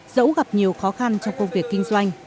dẫu gặp nhiều khó khăn trong công việc kinh doanh